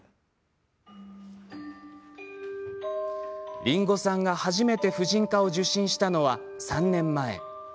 りんごさんが初めて婦人科を受診したのは３年前。